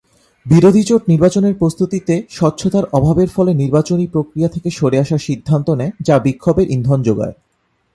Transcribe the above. বিরোধী জোট নির্বাচনের প্রস্তুতিতে স্বচ্ছতার অভাবের ফলে নির্বাচনী প্রক্রিয়া থেকে সরে আসার সিদ্ধান্ত নেয় যা বিক্ষোভের ইন্ধন জোগায়।